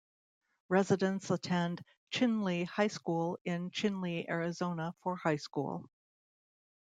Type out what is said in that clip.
Residents attend Chinle High School in Chinle, Arizona, for high school.